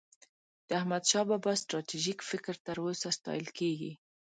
د احمدشاه بابا ستراتیژيک فکر تر اوسه ستایل کېږي.